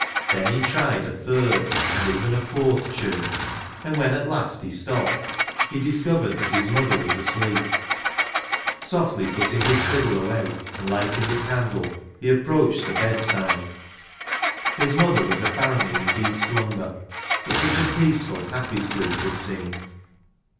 Then he tried a third and even a fourth tune, and when at last he stopped, he discovered that his mother was asleep. Softly putting his fiddle away, and lighting a candle, he approached the bedside. His mother was apparently in deep slumber, but such a peaceful, happy sleep it seemed.